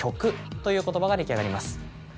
という言葉が出来上がります。